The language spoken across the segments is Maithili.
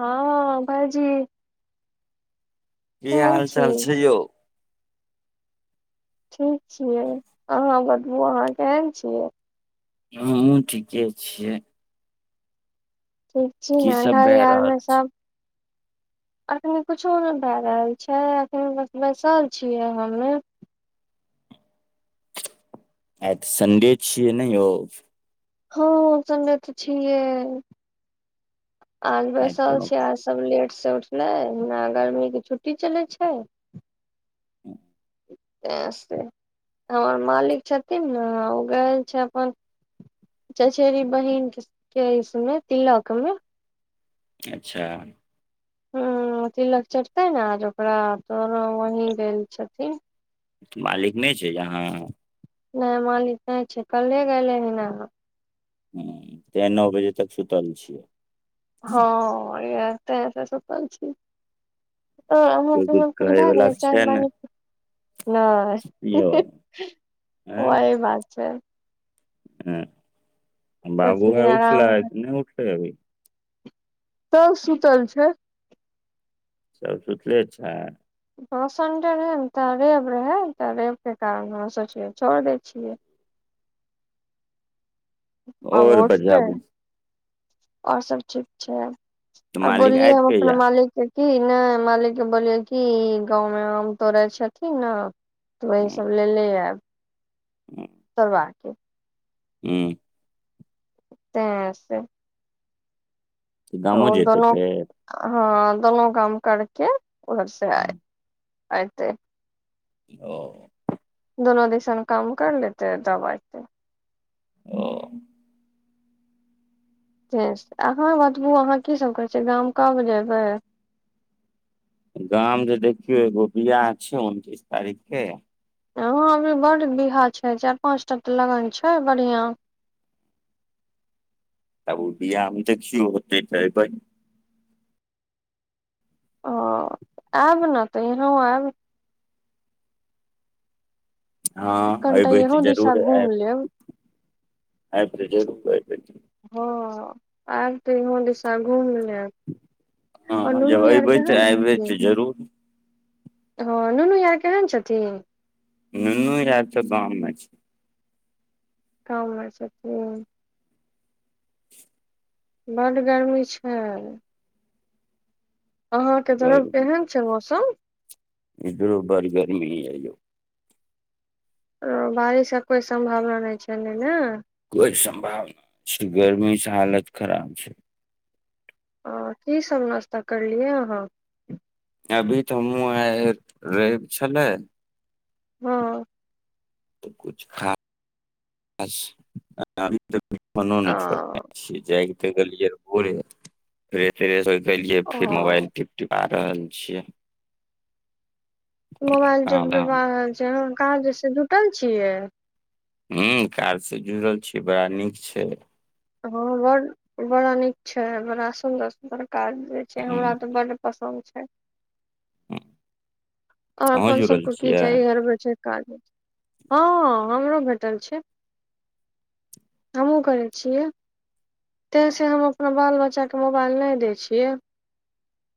हँ, भाजी की हाल चाल छैयौ। ठीक छियै, अहाँ बतबू अहाँ केहन छियै। हमहू ठीके छियै। ठीक छी की ने सब घर भए आर रहल मे छै सभ एखन किछो नहि भए रहल छै, एखन बस बैसल छियै हमे आऽ संडे छीिय नहि ओ। हँ, संडे तऽ छैये। आज आइ तऽ बेसल कोनो छै, आज सब लेट उठ लेना गर्मी के छुट्टी चलै छै। हु त से, हमर मालिक छथिन ने ओ गएल छै अपन चचेरी बहिन के इसमे तिलक मे। अच्छा। ह्म्म, तिलक चढ़तै ने आ ओकरा त वही गेल छथिन। मालिक नहि छै यहाँ। नहि मालिक नहि छै कल्हे गेले ह न। ह्म्म, तै नओ बजे तक सुतल छिय। हँ, इ तैस स सुतल छी। ओ कोइ कुछ हमपुरी कहै भए वला गेलै चाय छै ने पानी नई, यौ ओही बात छै। हँ बाबू सोचलिय भआय उठला आराम कर। नहि उठल अभी। तब सुतल छै। सब सुतले छै। संडे रहै ने तऽ अरेव रहै, तऽ अरेब के कारण हम सोचियै छोड़ दै छियै। आओर बझाबू। आओर सब ठीक छै। तऽ आओर मालिक बोलियए आयत हम अपना कहिया मालिक। कि नहि मालिक के बोलियो की गाँंव मे आम तोड़े छथिन ने। तऽ वह हूँ सभ लेेले आब। करब [unintelligible] हू। तऽ से। गामो तऽ जेतै दोननो फेर हां। दुनो काम करके। उधर से आय। आते। ओ। दोनो दिसन काम कर लेते तब आयतें। ओ। से अहाँ बतबू अहाँ कीसभ करै छियै, गाम काय बजे अयबै। गाम जे देखियौ एगो बिआह छै, उनतीस तारीख के। हाँ अभी बड्ड बिआह छै, चारि-पाँच टा तऽ लगन छै बढ़िआँ। तब ओ बिआह में देखियौ हौते तऽ ऐबै। ओ आयब ने तऽ यहाँ आयब। हँ कनिटा एबै इहो दिशा घुम लेब। अयब तऽ जरू। हँ, आयब तऽ ईहो दिशा घुम लेब। और हँ, नुनू जब यार अयबै तऽ केहन अऐबै छथिन तऽ जरूर। हँ, नुनू या केहन छथिन। नुनू आब तऽ गाँवमे छै। काम में छथि। बड गर्मी छै। अहाँके तरफ घरमे केहन छै मौसम। इधरो बड़ गर्मी हे यौ। बारिश के कोई सम्भावना नहि छैले ने। कोई संभावना छै, गरमीसँ हालत खराब छै। ह की सब नाश्ता करलियै अहाँ। अभी तऽ हमूँ आ रईब छलै। हँ। कुछ खास अभी त। नो ओ ने छोड़ने छीयै जा। गेलियै भोरे से फ्रे फ्रेस हो। गेलिय ओ फिर मोबाइल टिप-टिपा। रहल छियै। मोबइल ज। काम धाम [unintelligible] कह जेस जुटल छियै। [unintelligible] ह कारसँ जुड़ल छीिय बड़ा नीक छै। बड़ा नीक अ् बड़ सुन्दर -सुन्दर। काज जे छै, हमरा हूँ ते बड पसन्द छै। हू। आओर अपन सबक की चाही हर गो कालमे। हँ हमरो भेटल छै [unintelligible] हमहूँ करैत छियै ताहिस हम अपना बाल बच्चाके मोबाइल नहि दैत छियै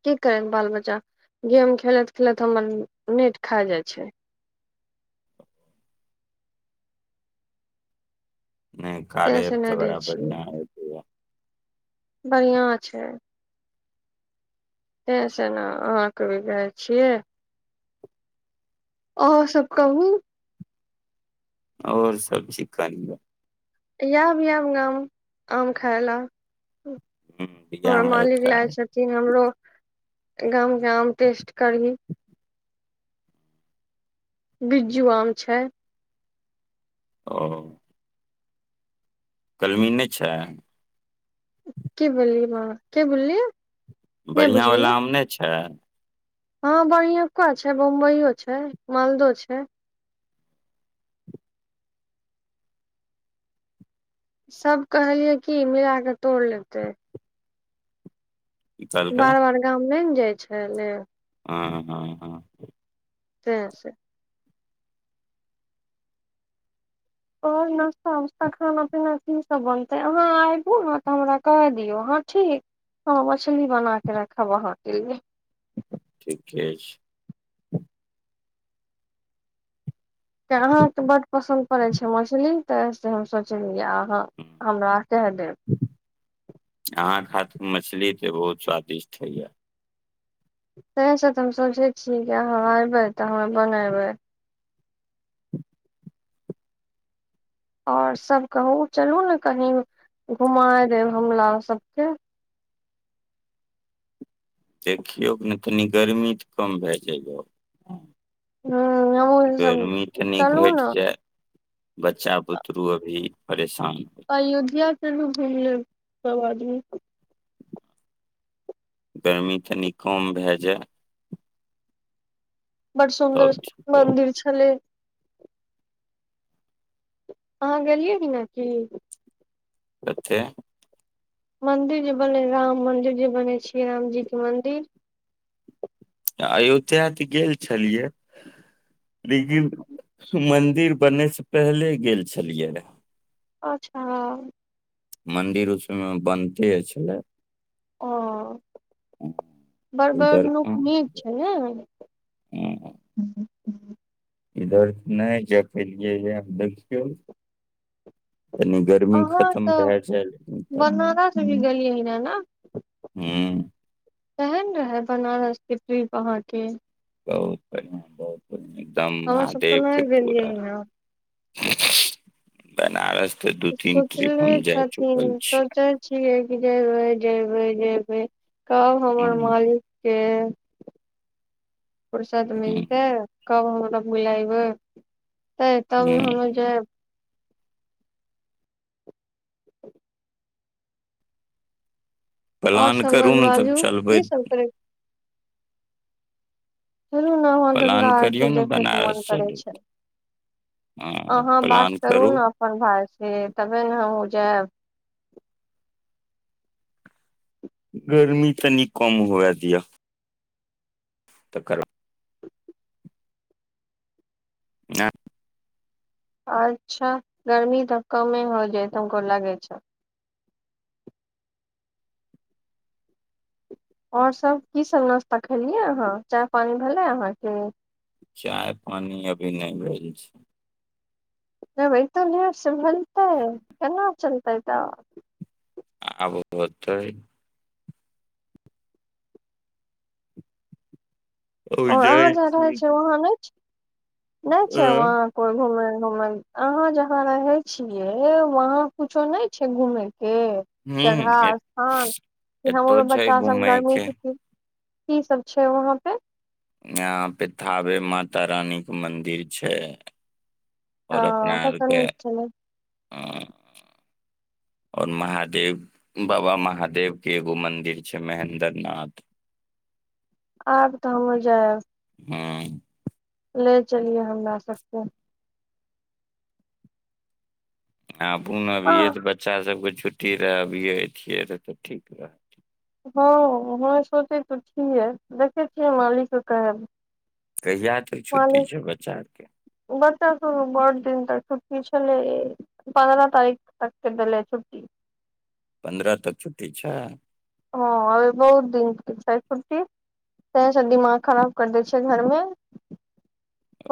की करै बाल बच्चा गेम। खेलैत खेलैत हमर नेट खा जाइ छै। [unintelligible] नहि तैं कार्य से अर्थ नहि दै बराबर नहि हो। बढ़िआँ छै। [unintelligible] सेे -से ने अहाँके भी गाय छियै। [unintelligible] आ सबब कहबू। [unintelligible] आओर सब छिका ल। [unintelligible] आब -आब गाम आम खााय लए। [unintelligible] हूँ [unintelligible] बियाह हमर मे ऐप मालिक लाय चाही छथिन हमरो। [unintelligible] गाम। [unintelligible] नाम ेस्ट करी। बिज्जू आम छै। [unintelligible] ओ। [unintelligible] कलमी नहि छै। [unintelligible] की बोलिय बा के बोललियै। नहि बढ़िआँवला बुझलियै आम नहि छै। [unintelligible] हँ बढ़ियका छै बम्बइो छै मालदहो छै। [unintelligible] सभ कहलियै की मिला कऽ तोड़ लेतै। की त कहलकै बारह बड़ गाम ल ने। [unintelligible] जाइ छै ल। हँ- हँ -हँ। [unintelligible] से -से। [unintelligible] आओर नाास्ता उस्ता खाना पीना कीसभ बनतै अहाँ आबू ने तऽ हमरा कहहि दियौ अहाँ ठीक हम मछली बना कऽ रखब अहाँके लिए। [unintelligible] ठीके छै। [unintelligible] त अहाँके बड पसन्द पड़ैत छै मछली तऽ से हम सोचलियै आ। हँ हम्म, हमरा से देब। अहाँके [unintelligible] हाथ मछली तऽ बहुत स्वादिष्ट हइया। [unintelligible] ताहसँ तऽ हम सोचै छीिय कि अहाँ अयबै तऽ हममे बनयबै। [unintelligible] आओर सभ कहू चलू ने कहीँ -घुमा देब हमरा सभके। [unintelligible] देखियौ ने तनि गर्मी तऽ कम भए जइयौ। [unintelligible] ह हम तनी चल घटि ने। [unintelligible] जाय बच्चा बुतरू अभी परेश अयोध्या चलु घुमिलेब सब आदमी गर्मी कनी कम भए जेए बड़ सुन्दर रहत मन्दिर छलै। अहाँ गेलियै कि न क। [unintelligible] मते। [unintelligible] मन्दिर जे बनै राम मन्दिर जे बनै छैियै रामजीके मन्दिर। [unintelligible] अयोधया तऽ गेल छलियै -लेकिन मन्दिर बनयसँ पहिले गेल छलियै रहए। अच्छा [unintelligible] मन्दिर उसमयमें बनते छलै ओ बड़ बड़ इधर नुक अ, नीक छै ने [inaudible] इधर नहि जा पेलियै याब देखियौ तनी गरमी अहाँ खतम तऽ भए जै नै तब, बनारस भी गेलियै ने ने हूं केहन रहै बनारस के ट्रिप अहाँके? बहुत बढ़िआ बहुत बढ़िआ हमर सबतऽ नई गेलियैअ। बनारस तऽ दू तीन ट्रिप सोचले हम जा छथिन चुकल छी सोचै छियै कि जैबै जयबै जयबै कब हमर ह मालिक के फुरसत हुँ मिलतै कब हमरो लग मे यइबै? तै तब नु हुँ हमु जैब और प्लान सब करू ने तब बाजू चलबै की सब करे चलु ने वहां गंगा प्लान आरती करियौ ने देखे के मन बनारस करे चलू छै हँ अहाँ बात प्लान करु करू ने अपन भाय से तबे ने हमू जैब गर्मी तनी कम हुए दिय तकर [unintelligible] आच्छा गर्मी तऽ कमे हो जयतै तमको लागे छ और सभ कीसभ नाश्ता खेलियै अहाँ, चाय पानि भेलै अहाँके? चाय पानि अभी नहि भेल छै। ए भाई एतना लेट से बनतई केना चलतै तऽ? आब होतई ओ और अहाँ जाइ जहाॅं रहै छी छीयै वहाँ नहि छी नहि छै हुँ वहाँ कोइ घुमे घुमई अहाँ जहाॅं रहे छियै वहां कुछो नहि छै घूमै के जगह स्थान कि एतौ हमरो छै बच्चा सब घूमय गर्मी के छुट्टी की सब छै वहाँ पे। [unintelligible] [unintelligible] पे थाबे माता रानीके मन्दिर छै। [unintelligible] ओ तब तऽ नीक छलै आ आओर महादेव बाबा महादेवके एगो मन्दिर छै महेन्द्र नाथ। [unintelligible] आब त हो जाय। [unintelligible] हँ। [unintelligible] ले चलिए हमरा सबके। [unintelligible] आ बू अभिये हँ तऽ बच्चा सब। छुट्टी रहै अभियए छियै तऽ- तऽ ठीक रहत। [unintelligible] हँ -हं सोचे त छे देखे छियै मालिक कहै। [unintelligible] कहिया तक मान छुट्टी छै बच्चा आरके बच्चा सब बत दिन तक छ। ई छल पन्दरह तारिख तके दै छुट्टी। [unintelligible] पन्द्रह तऽ छुटी छ। [unintelligible] हँ अर बहुत दिन छै फुर्सी ताहिसँ दिमाग खराब करि दै छै घरमे। [unintelligible]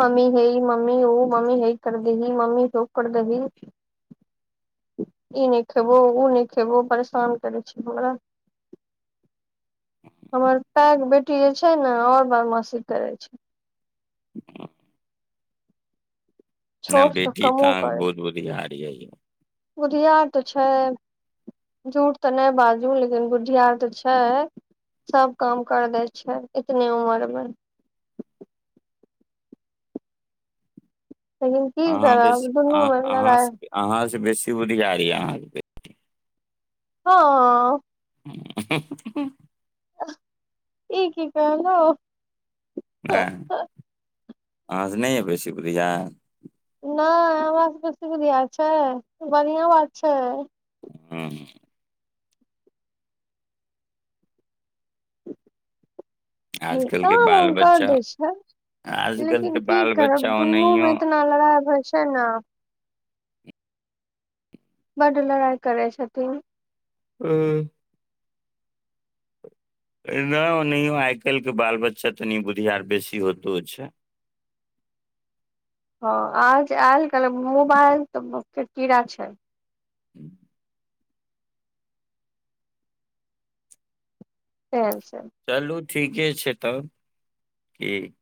मम्मी हे मम्मी। [unintelligible] मम्मी ओ मम्मी हे कर दही मम्मी ह कर दही ई नहि खेबो ओ नहि खेबो परेशान करै छै हमरा। हमर पाएके बेटी जे छै ने आओर बदमाशी करै छै। [unintelligible] [unintelligible] नहि छोट बेटी कमो तऽ करे बहुत छै बुधियार। अयाा। [unintelligible] बुधियार तऽ छै-झूठ तऽ नहि बाजू लेकिन बुधियार तऽ छै सभ काम कर दै छै इतने उमरमे। [unintelligible] लेकिन की अहाँ करब बेसी दुनू अहाँ मे अहाँ लड़ाइ। [unintelligible] से अहाँ बेसी बधिका य अहाँके। [unintelligible] हँ। [unintelligible] [unintelligible] ठ क कहलो। [unintelligible] हँ। [unintelligible] अहाँसँ नई अय बुधियार। [unintelligible] नहि हमरा सबके सपिया छै बढ़िियां बात छै। हँ। [unintelligible] आजकल क के ओ बाल कर बच्चा दै छै [unintelligible] आजकल के लेकिन की बाल करब बच्चा ओनाहियो दुनूमे इतना लड़ाइ होइ छै। छै ने। [unintelligible] बड लड़ाई करै छथिन। [unintelligible] हं। [unintelligible] नहि ओ नहियओ आइ काल्हिके बाल बच्चा तनि बुधि आर बेसी होतो छै। [unintelligible] आज आयल कहल मूव आयल तऽ कीड़ा छै। [unintelligible] ह्मं। [unintelligible] त। [unintelligible] चलू। [unintelligible] ठीके छै तब क। [unintelligible]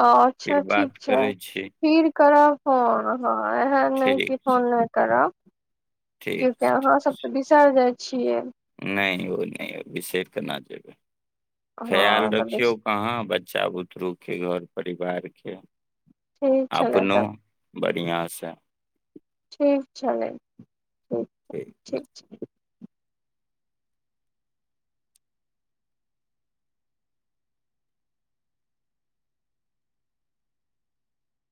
अच्छा ठीक [unintelligible] छै करै छी फिर करब। हु। [unintelligible] हँ एहेन नई की ठीक छै फोन नहि करब। क्या ठीक की छै अहां ठीक सब तऽ बिसेर जाइ। छिय। [unintelligible] छै नहि ओ नहि विशेष करना जेबे। खयाल हँ तऽ रखियौ कहाँ बच्चा बुतरु। घर परिवारके। [unintelligible] ठीक छलै अपनो तब [unintelligible] बढ़िआँसँ। [unintelligible] ठीक छलै। [unintelligible] ठीक -ठीक छैीक। [unintelligible]